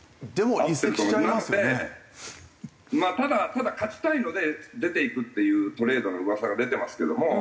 ただ勝ちたいので出ていくというトレードの噂が出てますけども。